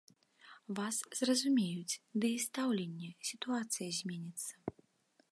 Вас зразумеюць, ды і стаўленне, сітуацыя зменіцца.